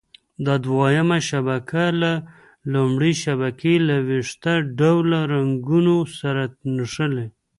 دا دویمه شبکه له لومړۍ شبکې له ویښته ډوله رګونو سره نښلي.